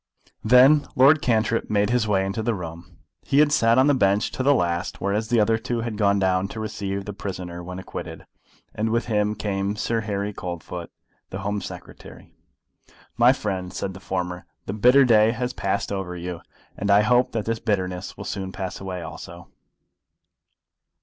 Then Lord Cantrip made his way into the room. He had sat on the bench to the last, whereas the other two had gone down to receive the prisoner when acquitted; and with him came Sir Harry Coldfoot, the Home Secretary. "My friend," said the former, "the bitter day has passed over you, and I hope that the bitterness will soon pass away also."